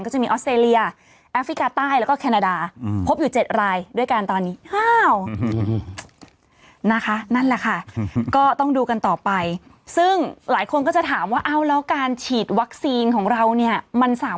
คือเค้าส่งมาให้พี่เลยนะ